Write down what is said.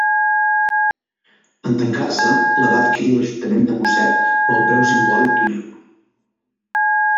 En tancar-se, la va adquirir l'ajuntament de Mosset pel preu simbòlic d'un euro.